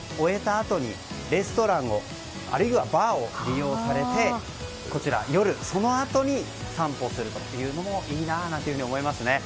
あとレストランを、あるいはバーを利用されてこちら、夜そのあとに散歩するというのもいいなと思いますね。